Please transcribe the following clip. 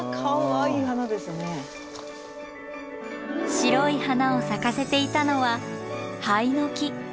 白い花を咲かせていたのはハイノキ。